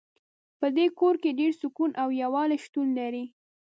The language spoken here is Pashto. په دې کور کې ډېر سکون او یووالۍ شتون لری